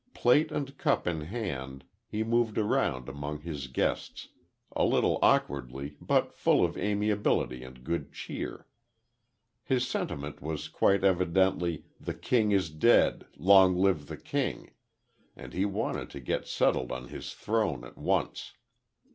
Plate and cup in hand, he moved around among his guests, a little awkwardly but full of amiability and good cheer. His sentiment was quite evidently, "the king is dead; long live the king," and he wanted to get settled on his throne at once.